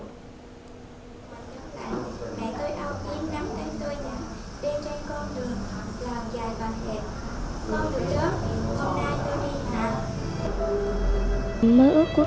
tại vì mẹ tôi âu yên nắm tay tôi nhẳng